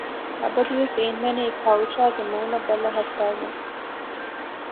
އަބަދުވެސް އިންނަނީ ކައުޝާގެ މޫނަށް ބަލަހައްޓައިގެން